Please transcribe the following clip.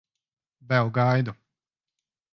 Vēl gaidu.